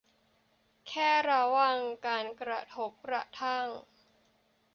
แค่ระวังการกระทบกระทั่ง